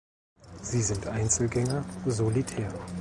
Sie sind Einzelgänger (solitär).